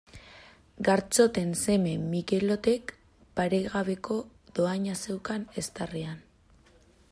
Gartxoten seme Mikelotek paregabeko dohaina zeukan eztarrian.